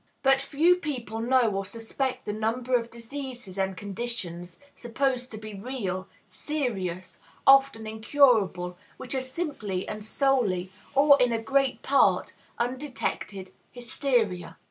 But few people know or suspect the number of diseases and conditions, supposed to be real, serious, often incurable, which are simply and solely, or in a great part, undetected hysteria.